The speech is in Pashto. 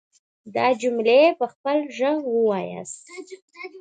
دا جملې په خپل غږ وواياست.